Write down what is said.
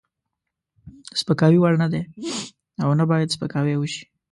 د سپکاوي وړ نه دی او نه باید سپکاوی وشي.